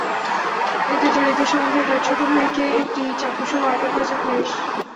এতে জড়িত সন্দেহে তাঁর ছোট ভাইকে একটি চাকুসহ আটক করেছে পুলিশ।